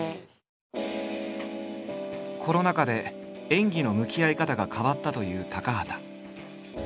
コロナ禍で演技の向き合い方が変わったという高畑。